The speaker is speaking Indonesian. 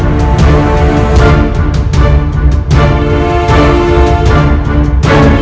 tidak bisa sekaligus raden